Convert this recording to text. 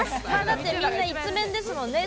だってみんないつメンですもんね